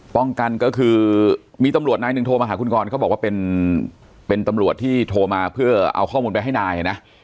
กันก็คือมีตำรวจนายหนึ่งโทรมาหาคุณกรเขาบอกว่าเป็นตำรวจที่โทรมาเพื่อเอาข้อมูลไปให้นายนะ